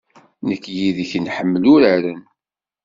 Nekk yid-k nḥemmel uraren.